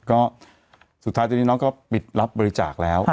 ก็สุดท้ายตอนนี้น้องก็ปิดรับบริจาคแล้ว